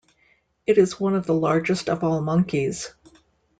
It is one of the largest of all monkeys.